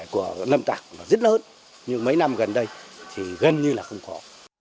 của ngâm tạc rất lớn nhưng mấy năm gần đây thì gần như là không có